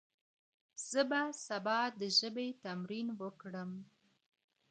زه به سبا د ژبي تمرين وکړم..